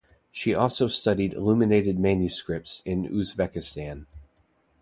She also studied illuminated manuscripts in Uzbekistan.